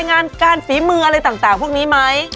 งานการฝีมืออะไรต่างพวกนี้ไหม